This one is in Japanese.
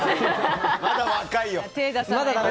まだ若いよ。